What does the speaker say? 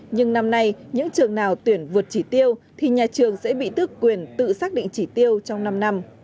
nhưng năm nay những trường nào tuyển vượt chỉ tiêu thì nhà trường sẽ bị tước quyền tự xác định chỉ tiêu trong năm năm